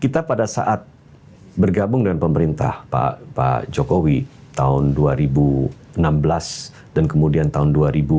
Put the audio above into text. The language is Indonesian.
kita pada saat bergabung dengan pemerintah pak jokowi tahun dua ribu enam belas dan kemudian tahun dua ribu empat belas